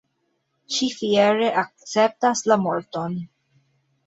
Ŝi fiere akceptas la morton.